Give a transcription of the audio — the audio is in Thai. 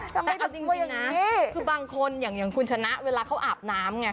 ทำไมจะกลัวอย่างนี้คือบางคนอย่างคุณชนะเวลาเขาอาบน้ำ